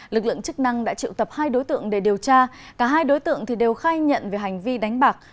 lực lượng chức năng đã triệu tập hai đối tượng để điều tra cả hai đối tượng đều khai nhận về hành vi đánh bạc